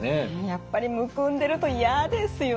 やっぱりむくんでると嫌ですよね。